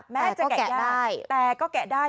แม้จะแกะได้แต่ก็แกะได้